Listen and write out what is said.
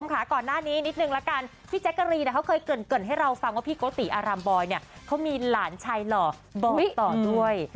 ค่ะก่อนหน้านี้นิดนึงละกันพี่แจ๊กกะรีนเขาเคยเกิดให้เราฟังว่าพี่โกติอารามบอยเนี่ยเขามีหลานชายหล่อบอยต่อด้วย